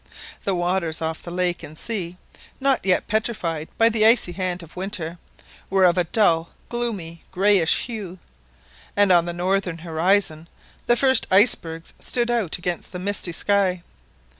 The waters of the lake and sea, not yet petrified by the icy hand of winter, were of a dull, gloomy, greyish hue, and on the northern horizon the first icebergs stood out against the misty sky.